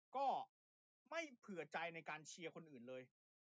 ก็ไม่เผื่อใจในการเชียร์คนอื่นเลย